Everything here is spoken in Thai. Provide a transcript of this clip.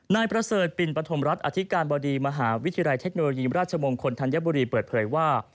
นายประเสริฐปินปฐมรัฐอธิการบดีมหาวิทยาลัยเทคโนโลยีราชมงคลธัญบุรีเปิดเผยว่า